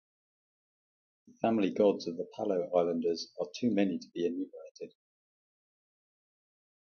The family gods of the Palau Islanders are too many to be enumerated.